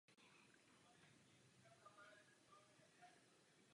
Teče převážně širokou bažinatou rovinou.